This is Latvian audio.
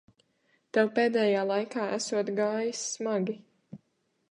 Tev pēdējā laikā esot gājis smagi.